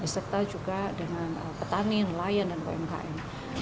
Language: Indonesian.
serta juga dengan petani nelayan dan umkm